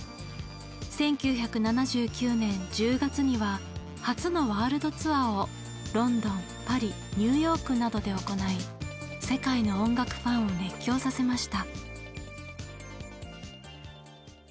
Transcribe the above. １９７９年１０月には初のワールドツアーをロンドンパリニューヨークなどで行い世界の音楽ファンを熱狂させました。